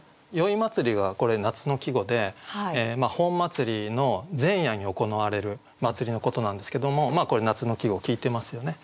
「宵祭り」がこれ夏の季語で本祭りの前夜に行われる祭りのことなんですけどもこれ夏の季語効いてますよね。